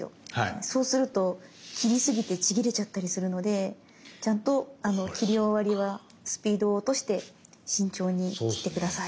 そうすると切り過ぎてちぎれちゃったりするのでちゃんと切り終わりはスピードを落として慎重に切って下さい。